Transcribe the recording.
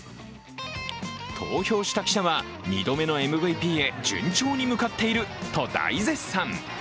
投票した記者は２度目のＭＶＰへ順調に向かっていると大絶賛。